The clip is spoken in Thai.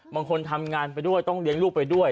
บางคนทำงานไปด้วยต้องเลี้ยงลูกไปด้วย